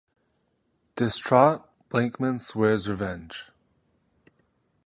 Distraught, Blankman swears revenge.